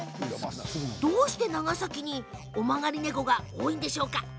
どうして長崎に尾曲がり猫が多いんでしょうか？